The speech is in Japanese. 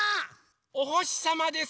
おほしさまです。